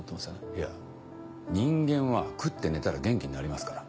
いや人間は食って寝たら元気になりますから。